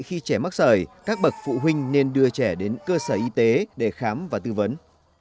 khi trẻ mắc sởi các bậc phụ huynh nên đưa trẻ đến cơ sở y tế để khám và tư vấn